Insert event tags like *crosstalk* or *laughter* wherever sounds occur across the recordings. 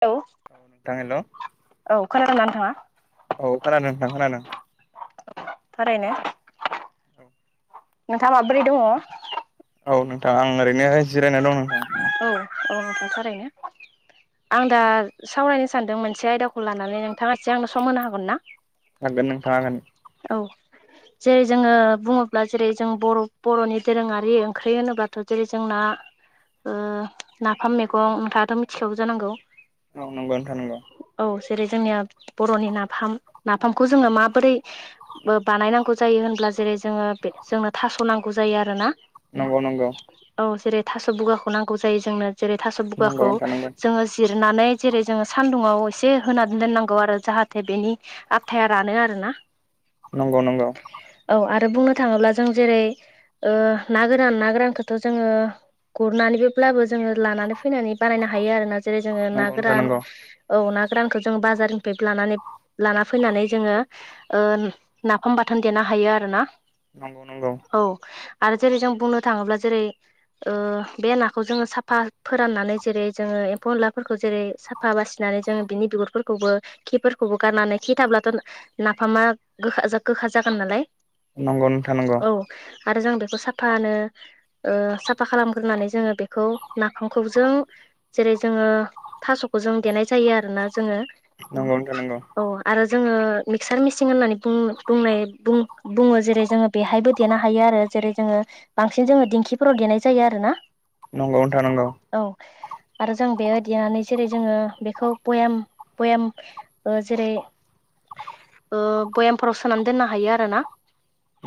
हेल' औ नोंथां हेल' औ खोनादोंंना नोंथाङा? औ खोनादों नोंथां खोनादों। *unintelligible* *inaudible* औ। नोंथाङा माब्रै दङ? औ नोंथां आं ओरैनो जिरायनानै दं नोंथां। अ थारैनो आं दा सावरायनो सानदों मोनसे आयदाखौ लानानै नोंथाङासे आंनो सम होनो हागोन ना? हागोन नोंथां हागोन। औ। जेरै जोङो बुङोब्ला जेरै जों बर' बर'नि दोरोङारि ओंख्रि होनोबाथ' जेरै जोंना ओ नाफाम मेगं नोंथाङाथ' मिथिखागौ जानांगौ। औ नंगौ नोंथां नंगौ। औ जेरै जोंनिया बर'नि नाफाम नाफामखौ जोङो माबोरै बानायनांगौ जायो होनब्ला जेरै जोङो जोंनो थास' नांगौ जायो आरोना नंगौ-नंगौ। जेरै थास' बुगाखौ नांगौ जायो जोंनो जेरै थास' बुगाखौ नंगौ जोङो जिर नानै जेरै जोङो सान्दुंआव एसे होनानै दोननांगौ आरो जाहाथे बेनि आथाया रानो आरोना। *unintelligible* *inaudible* नंगौ-नंगौ। रो बुंनो थाङोब्ला जों जेरै ओ ना गोरान ना गोरानखौथ' जोङो गुर नानैबोब्लाबो जोङो लानानै फैनानै बानायनो हायो आरो ना जेरै जोङो ना नोंथां गोरान नंगौ औ ना रानखौ जोंङो बाजारनिफ्राय लानानै लाना फैनानै जोङो ओ नाफाम बाथोन देनाह हायो आरोना। नंगौ-नंगौ। आरो जेरै जों बुंनो थाङोब्ला जेरै ओ बे नाखौ जोङो साफा फोराननानै जेरै जोङो एम्फौ-एनलाफोरखौ जेरै साफा बासिनानै जोङो बिनि दु गुरफोरखौबो खिफोरखौबो गारनानै खि थाब्लाथ' नाफामा गोखा गोखा जागोन नालाय नंगौ नोंथां नंगौ। औ आरो जों बेखौ साफानो ओ साफा खालामग्रोनानै जोङो बेखौ नाफामखौ जों जेरै जोङो थास'खौ जों देनाय जायो आरोना जोङो नंगौ नंगौ औ आरो जोङो मिक्सार मिसिं होननानै बुं बुंनाय बुङो जेरै जोङो बेहायबो देनो हायो। आरो जेरै जोङो बांसिन जोङो दिंखिफोराव देनाय जायो आरोना। नंगौ नोंथां नंगौ। औ आरो जों बेयाव देनानै जेरै जोङो बेखौ बयाम बयाम ओ जेरै ओ बयामफोराव सोनानै दोननो हायो आरोन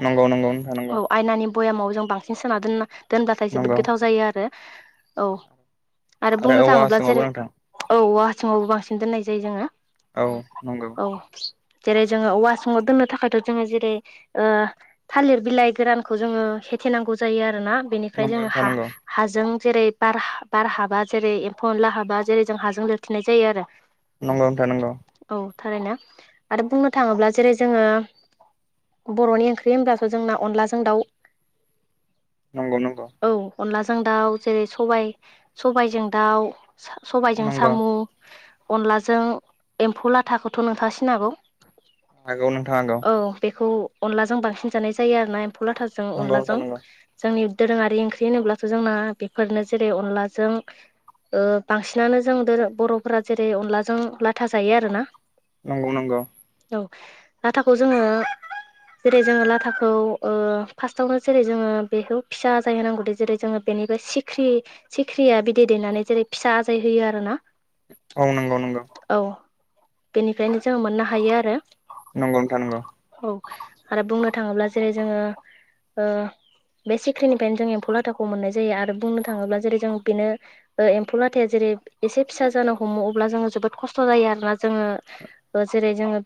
नंगौ-नंगौ नोंथां नंगौ। बयामाव जों बांसिन सोना दोनना दोनब्लाथाय जोबोद नंगौ गोथाव जायो आरो औ आरो बुंनो औवा थाङोब्ला हासुङावबो जेरै नोंथां औ औवा हासुङावबो बांसिन दोननाय जायो जोङो औ नंगौ औ जेरै जोङो औवा हासुङाव दोननो थाखायथ' जोङो जेरै ओ थालिर बिलाइ गोरानखौ जोङो खेथे नांगौ जायो आरोना बेनिफ्राय नंगौ जोङो नोंथां नंगौ हा हाजों जेरै बार हा बार हाबा जेरै एम्फौ एनला हाबा जेरै जों हाजों लिरथेनाय जायो आरो नंगौ नोंथां नंगौ औ थारैनो आरो बुंनो थाङोब्ला जेरै जोङो बर'नि ओंख्रि होनब्लाथ' जोंना अनलाजों दाउ नंगौ नंगौ जों दाउ जेरै सबाय सबायजों दाउ, सबायजों नंगौ सामु अनलाजों एम्फौ लाथाखौथ' नोंथांङा सिनाय हागौ हागौ नोंथां हागौ औ बेखौ अनलाजों बांसिन जानाय जायो आरोना एम फौ लाथाजों नंगौ अनलाजों नोंथां नंगौ जोंनि दोरोङारि ओंख्रि होनोब्ला जोंना बेफोरनो जेरै अनलाजों ओ बांसिनानो जों दोरो बर'फोरा जेरै अनलाजों लाथा जायो आरोना नंगौ नंगौ औ जाथा खौ जोङो जेरै जोङो लाथाखौ ओ फार्स्टावनो जेरै जोङो बेखौ फिसा जाहै होनांगौ दे जेरै जोङो बेनिफ्राय सिख्रि सिख्रिया बिदै दैेनानै जेरै फिसा आजाय होयो आरो ना औ नंगौ नंगौ बेनिफ्रायनो जोंङो मोननो हायो आरो नंगौ नोंथां नंगौ औ आरो बुंनो बे सिख्रिनिफ्रानो जों एम्फौ लाथाखौ मोननाय जायो आरो बुंनो थाङोब्ला जेरै जों बिनो ओ एम्फौ लाथाया जेरै एसे फिसा जानो हमो जों जोबो खस्थ' जायो आरो ना जोङो ओ जेरै जोङो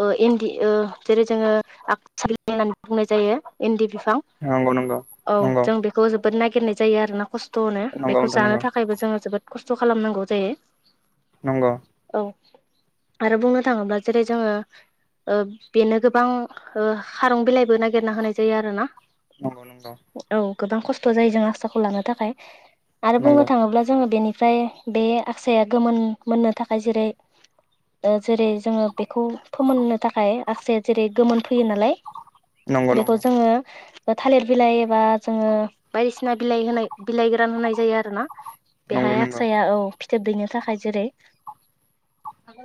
ओ इन्दि ओ जेरै जोङो आ होननानै बुंनाय जायो इन्दि बिफां नांगौ नांगौ औ नंगौ जों बेखौ जोबोद नागिरनाय जायो आरो ना खस्थ'नो नंगौ बेखौ नोंथां जानो नंगौ थाखायबो जोङो जोबोद खस्थ' खालामनांगौ जायो नंगौ औ आरो बुंनो थाङोब्ला जेरै जोङो ओ बेनो गोबां ओ खारं बिलाइबो नागिरना होनाय जायो आरो ना नंगौ नोंगौ गोबां खस्थ' जायो जों आसाखौ लानो थाखाय आरो बुंनो नंगौ थाङोब्ला जोङो बेनि ओमफ्राय बे आक्साया गोमोन मोननो थाखाय जेरै ओ जेरै जोङो बेखौ फोमोननो थाखाय आसे जेरै गोमोन फैयो नालाय नंगौ नंगौ बेखौ जोङो थालिर बिलाइ एबा जोङो बायदिसिना बिलाइ होनाय बिलाइ गोरान होनाय जायो आरो ना नंगौ बेहाय नंगौ आक्साया औ फिथोब दैनो थाखाय जेरै *unintelligible*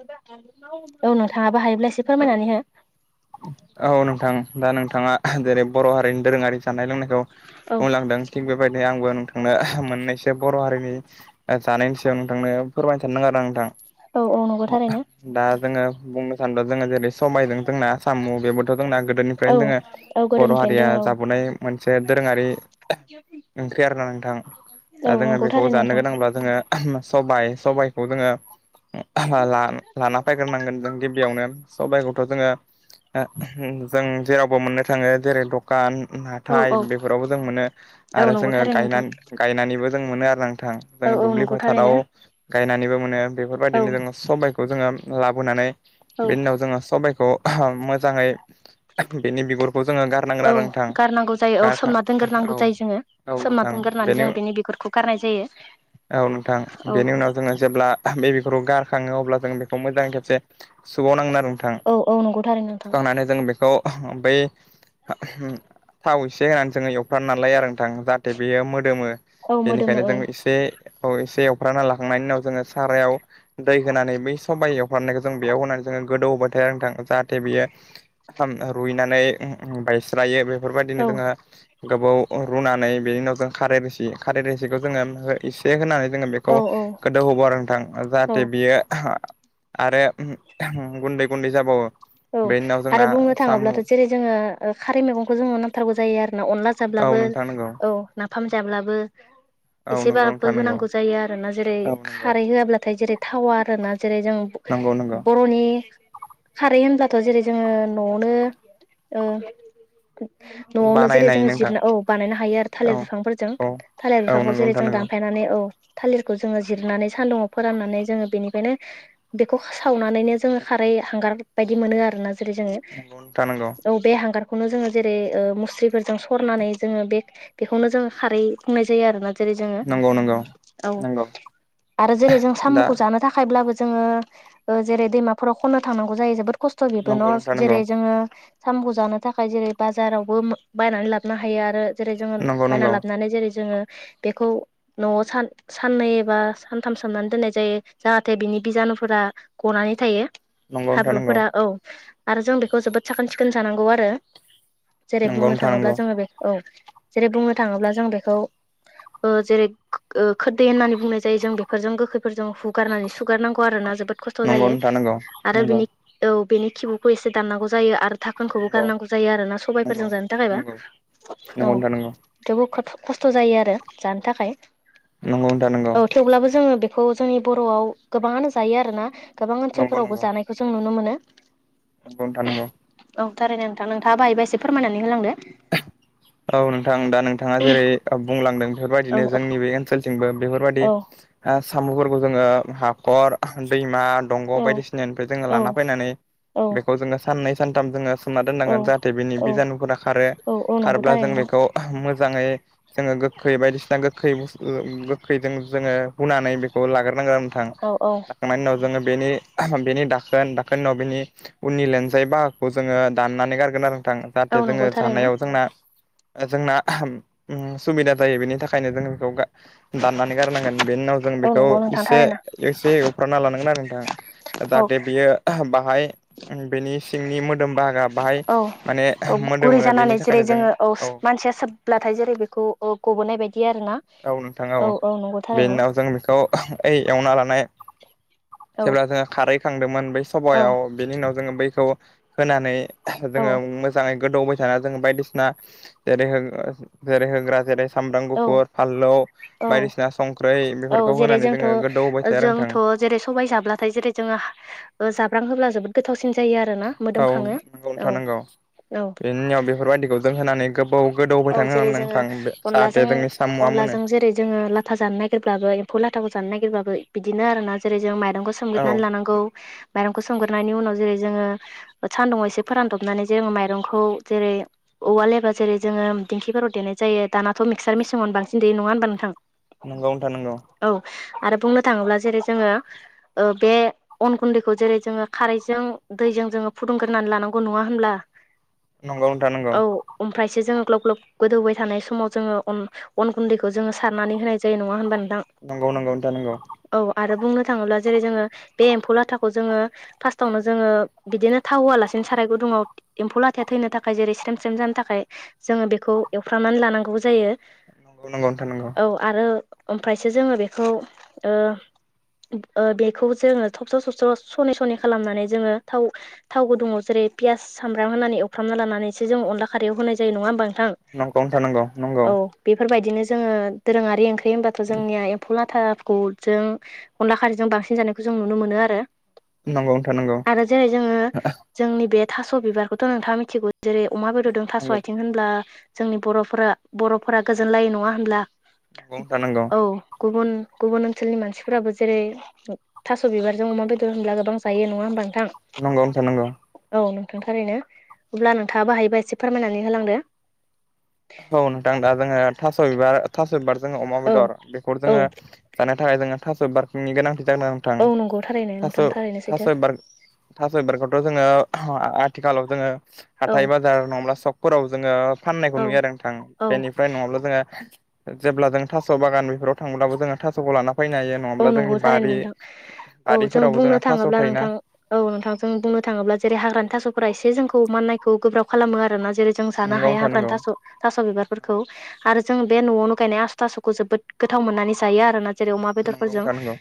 औ नोंथांङाबो हायोब्ला एसे फोरमायनानै हो औ नोंथां दा नोंथाङा जेरै बर' हारिनि दोरोङारि जानाय लोंनाय औ बुंलांदों थिग बेबायदि आंबो नोंथांनो मोननैसो बर' हारिनि जानायनि सायाव नोंथांनो फोरमायनो सानदों आरो आं नोंथां औ औ नंगौ थारैनो दा जोङो बुंनो सानदों जोङो जेरै समायजों जोंना साम' बेबोथ' दंना औ गोदोनिफ्रायनो दोङो औ बर' गोदोनिफ्रायनो हारिया दोङो जाबोनाय मोनसे दोरोङारि ओंख्रि आर ना नोंथां दा औ जोङो नंगौ बेखौ थारैनो जानो नोंथां गोनांब्ला जोङो मो सबायाइ सबायाइखौ जोङो लाना फैग्रोनांगोन जों गिबियावनो सबाइखौथ' जोङो जों जेरावबो मोननो थाङो जेरै दखान औ हाथाय औ बेफोरावबो जों मोनो औ आरो नंगौ जोङो थारैनो नोंथां गायनानै गायनानैबो जों मोनो आरो ना नों नोंथां औ जों औ दुब्लि नंगौ थारैनो फोथाराव गायनानैबो मोनो औ बेफोरबायदिनो जोङो सबाइखौ जोङो लाबोनानै औ बि उनाव जोङो सबायखौ मोजाङै बेनि बिगुरखौ जोङो गारनांगोन औ आरो नोंथां गारनांगौ जायो औ गारखा सोमना औ औ नोंथां नानै *unintelligible* जों बेनि बिगुरखौ गारनाय जायो औ नोंथां औ बेनि उनाव जोङो जेब्ला बे बे *unintelligible* गारखाङो अब्ला जों बेखौ मोजां खेबसे सुा *unintelligible* वनांनानै औ औ नंगौथारो नों सुखांनानै जों बेखौ बै थाव एसे होनानै जोङो एवथ नालाय आरो नोंथां जाहाथे बेयो म फोरो *unintelligible* मो औ मोदोमो बेनिखायनो औ जों एसे औ एसे एवफ्राना लखांनायनि उनाव जोङो सारायाव दै होनानै बै सबाइ एवफ्रानायखौ जों बेयाव होनानै ज जोङो गोदौबा *unintelligible* जाथे बियो रुइनानै बायस्रायो बेफोरबायदिनो औ जोङो गोबाव रुनानै बेनि उनाव जों खारै रोसि खारै रोसिखौ जोङो एसे होनानै जोङो बेखौ औ गोदोऔ होबावो नोंथां जाहाथे बियो आरो गुन्दै गुन्दै जाबाव औ आरो बुंनो थाङोब्लाथ' जेरै जोङो ओ खारै मैगंखौ जोङो नांथारगौ जायो आरोना अनला जाब्ला। औ बो नोंथां नंगौ औ नाफाम। जाब्लाबो औ नंगौ एसेबबो नोंथां नंगौ होनांगौ जायो आरोना जेरै औ नंगौ खारै होआब्लाथाय जेरै। थावा आरोना जेरै जों नंगौ नंगौ बर'नि। खारै होनब्लाथ' जेरै जोङो न'आवनो ओ। न'आवनो जेरै बानायनो जों हायो नोंथां जिरनो औ बानायनो हायो आरो औ थालिर बिफांफोरजों औ थालिर औ बिफांखौ नंगौ जेरै नोंथां जों नंगौ दानफ। थायनानै औ। थालिरखौ जोङो जिरनानै सान्दुं फोराननानै जोङो बेनिखायनो बेखौ सावनानैनो जोङो खार। हांगार बायदि मोनो आरोना जेरै जो नंगौ नोंथां नंगौ औ बे हांगार। खौनो जोङो जेरै ओ मुस्रिफोरजों सरनानै जोङो बे बेखौनो जों खारै बुंनाय जायो आरोना। जेरै जोङो नंगौ नंगौ औ नंगौ आरो जेरै जों दा साम'खौ जानो थाखायब्लाबो। जोङो ओ जेरै दैमाफोराव खन्नो थांनांगौ जायो जोबोद खस्थ' बेबो नंगौ नोंथां न' जेरै नंगौ जोङो। सामखौ जानो थाखाय जेरै बाजारावबो बायनानै लाबोनो हायो आरो। जेरै जोङो नंगौ बायना नंगौ लाबोनानै जेरै जोङो। बेखौ न'आव सान साननै एबा सानथाम सोमनानै दोननाय जायो जाहाथे बिनि बिजान। *unintelligible* गनानै थायो। नंगौ नोंथां नंगौ। फोरा औ आरो जों बेखौ जोबोद साखोन सिखोन जानांगौ आरो। जेरै नंगौ बुंनो नोंथां थाङोब्ला नंगौ जोङो बे औ जेरै बुंनो थाङोब्ला जों बेखौ। ओ जेरै खोरदै होननानै बुंनाय जायो जों बेफोरजों गोखैफोरजों हुगारनानै सुगारनांगौ आरोना ज। जोबोद खस्थ' नंगौ जायो नोंथां नंगौ आरो बिनि। औ बेनि खिबुखौ एसे दाननांगौ जायो आरो। थाखोनखौबो नंगौ गारनांगौ जायो आरोना नंगौ सबायफोरजों जानो थाखायबा नंगौ औ नंगौ नंगौ थेवबो। खस्थ' जायो आरो जानो थाखाय नोंथां नंगौ औ थेवब्लाबो जोङो बे। खौ जोंनि बर'आव गोबाङानो जायो आरो ना गोबां नंगौ नोंथां नंगौ ओनसोलफोरावबो जानायखौ जों नुनो मोनो। नंगौ नोंथां नंगौ। औ थारैनो नोंथां नोंथाङाबो हायोबा एसे फोरमायनानै होलांदो। औ नोंथां दा नोंथाङा जेरै बुंलांदों औ बेफोरबायदिनो जोंनि बे ओनसोलथिंबो बेफोरबायदि औ ओ साम'फोरखौ जोङो हाखर दैमा। दंग' औ बायदिसिनानिफ्राय जोङो औ लाना फैनानै बेखौ जोङो साननै सानथाम जोङो। सोमना औ दोननांगोन जाहाथे बेनि औ बिजानुफोरा खारो औ औ नंगौ खारब्ला जों थारैनो नोंथां बेखौ मो -जाङै जोङो गोखै बायदिसिना गोखै बुसथु गोखैजों जोङो हुनानै बेखौ लाग्र। नांगोन नोंथां औ औ लाखांनायनि उनाव जोङो बेनि बेनि दाखोन दाखोन उाव बेनि उननि लेनजाय बाहाखौ जोङो दाननानै गारगोन आरो। नों थां जाहाथे औ जोङो नंगौ थारैनो जानायाव जोंना ओ जोंना। सुबिदा जायो बेनि थाखायनो जों बेखौ गा दाननानै गारनांगोन। बेनि उनाव जों औ बेखौ नंगौ नोंथां एसे थारैनो एसे एवफ्रानना लानांगोन आरो नोंथां औ जाहाथे बियो ब। ओमफाय बेनि सिंनि मोदोम बाहागोआ बाहाय माने मोदोमो। बेनि होननानै जेरै थाखायनो जों जोङो औ मानसिया सोबब्लाथाय जेरै बेखौ अ गबोनाय बायदि आरो ना औ नोंथां औ। औ नंगौ बेनि थारैनो उनाव जों बेखौ ओइ एवना लानाय औ जेब्ला जोङो खारै। थांदोंमोन बै औ सभायाव बेनि उनाव जोङो बैखौ होनानै औ जोङो मोजाङै गोदौ हो। ओ जों बायदिसिना जेरै जेरै होग्रा जेरै। सामब्राम औ गुफुर फानलौ औ बायदिसिना संख्रि। औ जेरै जोंथ' आरो नोंथां जोंथ' जेरै सबाय जाब्लाथाय जेरै जोङो ओ जाब्रां होब्ला जोबो। औ नंगौ औ नोंथां नंगौ औ बेनि उनाव बेफोरबायदिखौ दोनथनानै गोबाव। औ जेरै जोङो अनलाजों जोंनि साम'आ मोनो अनलाजों जेरै जोङो लाथा जानो नागिरब्लाबो एम्फौ लाथाखौ। जानो नागिरबाबो बिदिनो आरो ना जेरै जों माइरंखौ औ सोमग्रोनानै लानांगौ। माइरंखौ सोमग्रोनायनि उनाव जेरै जोङो सानदुंङाव एसे फोरानदबनानै जोङो माइरंखौ जेरै। औवा लेबा जेरै जोङो दिंखिफोराव देनाय जायो दानाथ' मिक्सार मेसिङावनो बांसिन देयो नङा होनबा नोंथां। नंगौ नोंथां नंगौ। औ आरो बुंनो थाङोब्ला जेरै जोङो बे अन गुन्दैखौ जेरै जोङो खारैजों दैजों फुदुंग्रोननानै लानांगौ नङा होनब्ला? नंगौ नोंथां नंगौ। एसे जोङो ग्लब ग्लब गोदौबाय थानाय समाव जोङो अन अन गुन्दैखौ जोङो सारनानै होनाय जायो नङा होनबानो। नंगौ नंगौ दा नंगौ। आरो बुंनो थाङोब्ला जेरै जोङो बे एम्फौ लाथाखौ जोङो फार्स्टावनो जोङो बिदिनो थाव होआलासे साराय गुदुंआव एम्फौ लाथाया थैनो थाखाय जेरै स्रेम स्रेम जानो थाखाय। जोङो बेखौ एवफ्रामनानै लानांगौ जायो। नंगौ नंगौ नोंथां नंगौ। औ आरो ओमफ्रायसो जोङो बेखौ अ बेखौ जोङो थबस' सबस' सनै सनै खालामनानै जोङो थाव थाव गुदुंङाव जेरै बे पियास सामब्राम होनानै एवफ्रामना लानानैसो जों अनला खारयाव होनाय जायो नङा होमबा? नंगौ नंगौ नोंथां नंगौ नंगौ औ बेफोरबायदिनो जोङो दोरोङारि ओंख्रि होमबाथ' जोंनिया एम्फौ लाथाखौ जों अनला खारैजों बांसिन जानायखौ जों नुनो मोनो आरो नोंथां नंगौ नोंथां नंगौ आरो जेरै जोङो जोंनि बे थास' बिबारखौथ' नोंथांङा मिथिगौ जेरै अमा बेदरदों नंगौ थास'आ। जोंनि बर'फोरा बर'फोरा गोजोनलायो नङा होनब्ला? औ थानांगौ औ गुबुन गुबुन ओनसोलनि मानसिफोराबो जेरै थास' बिबारजों अमा बेदर होनब्ला गोबां जायो नङा होमबा नोंथां नंगौ नोथां नंगौ औ नोंथांथारैनो अब्ला नोंथाङा बाहायबा एसे फोरमायनानै होलांदो। औ नोंथां दा जोङो थास' बिबार थास' बिबार जोङो अमा औ बेदर बेखौ औ जोङो जानाय। थाखाय जोंहा थास' बारकिंनि गोनांथि ज *inaudible* औ नंगौ थारैनो नोंथां थारैनो सैथो नथांासयबारगाव। ' जोङो आथिखालाव जोङो औ हाथाय बाजार नङाब्ला सकफोराव जोङो। फाननायखौ औ नुयो आरो नोंथां औ बेनिफ्राय नङाब्ला जोंहा जेब्ला जों थास' बागान बेफोराव थांब्लाबो जोङो थास'खौ। फैनो हायो औ नङाब्ला जोंनि नंगौ थारैनो बारि नोंथां औ जों बारिफोरावबो बुंनो जोंना थास' थाङोब्ला थायोना नोंथां औ नोंथां जों बुंनो थाङोब्ला जेरै हाग्रानि थास'फोरा एसे माननायखौ गोब्राब खालामो आरोना जेरै जों जानो नंगौ हाया नोंथां हाग्रानि नंगौ थास' बिबार आरो जों बे न'आवनो गायनाय आसु थास'खौ जोबोद गोथाव मोननानै जायो आरोना जेरै अमा बेदर नंगौ फोरजों नोंथां नंगौ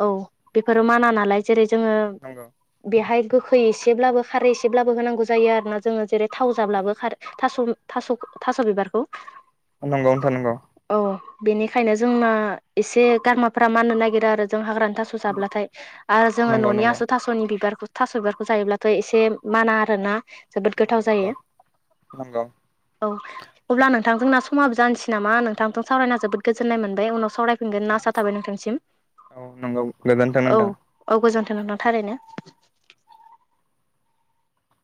औ बेफोरो माना नालाय जेरै जोङो नंगौ बेहाय गोखै एसेब्लाबो खारै एसेब्लाबो होनांगौ जायो आरोना जोङो जेरै थाव जाब्लाबो खारै जाब्लाबो थास' बिबारखौ नंगौ नोथां नंगौ। औ बेनिखायनो जोंना एसे गारमाफोरा माननो नागिरो आरो जों हाग्रानि थास' जाब्लाथाय। आरो जोङो नंगौ न'नि आसु थास'नि बिबार- थास' बिबारखौ जायोब्लाथ' एसे माना आरो ना। नंगौ नंगौ नंगौ। औ अब्ला नोंथां जोंना समाबो जानोसै नामा नोंथांजों सावरायना जोबोद गोजोन्नाय मोनबाय। उनाव सावराय फिनगोन होनना आसा थाबाय नोंथांसिम। औ नंगौ गोजोन्थों औ नोंथां। औ गोजोन्थों। नोंथां थारैनो।